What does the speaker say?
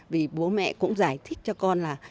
vì bố mẹ cũng giải thích cho con là